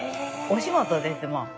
お仕事ですもん。